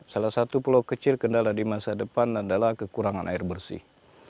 salah satu pulau kecil kendala di masa depan adalah kekurangan air bersih